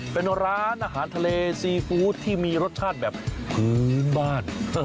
เป็นร้านอาหารทะเลซีฟู้ดที่มีรสชาติแบบพื้นบ้าน